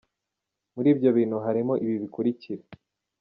Muri ibyo bintu harimo ibi bikurikira:.